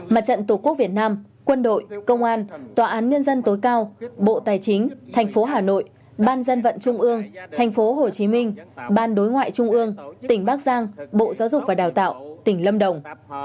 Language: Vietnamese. mặt trận tổ quốc việt nam quân đội công an tòa án nguyên dân tối cao bộ tài chính thành phố hà nội ban dân vận trung ương thành phố hồ chí minh ban đối ngoại trung ương tỉnh bác giang bộ giáo dục và đào tạo tỉnh lâm đồng